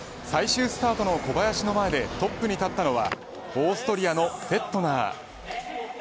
最終スタートの小林の前でトップに立ったのはオーストリアのフェットナー。